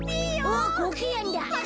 おっコケヤンだ。